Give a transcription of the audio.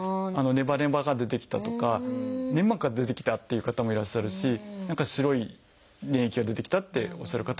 「ネバネバが出てきた」とか「粘膜が出てきた」って言う方もいらっしゃるし「何か白い粘液が出てきた」っておっしゃる方もいらっしゃいます。